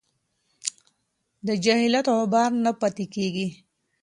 د جهالت غبار نه پاتې کېږي.